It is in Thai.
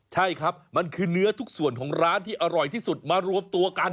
ใช่ครับมันคือเนื้อทุกส่วนของร้านที่อร่อยที่สุดมารวมตัวกัน